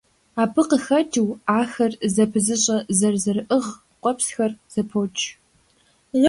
Абы къыхэкӀыу, ахэр зэпызыщӀэ, зэрызэрыӀыгъ къуэпсхэр зэпоч.